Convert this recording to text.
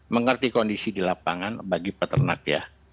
mengerti kondisi di lapangan bagi peternak ya